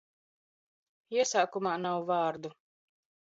Ies?kum? nav v?rdu.